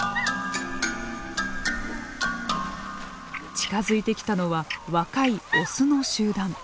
近づいてきたのは若いオスの集団。